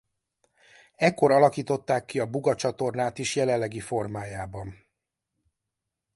Ekkor alakították ki a Buga-csatornát is jelenlegi formájában.